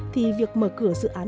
thì việc mở cửa dự án